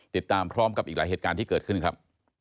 ติดตามพร้อมกับอีกหลายเหตุการณ์ที่เกิดขึ้นครับ